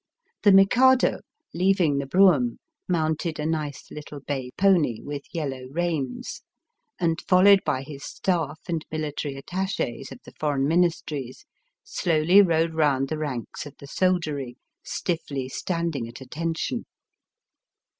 The Mikado, leaving the brougham, mounted a nice little bay pony with yellow reins, and, followed by his staff and miUtary attaches of the foreign Ministries, slowly rode round the ranks of the soldiery stiffly standing at attention.